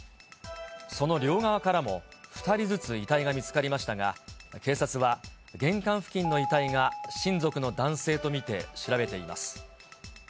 その両側からも、２人ずつ遺体が見つかりましたが、警察は、玄関付近の遺体が親族の男性と見て、調べています。